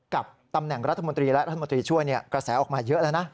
กับตำแหน่งรัฐมนตรีและรัฐมนตรีช่วยกระแสออกมาเยอะแล้วนะ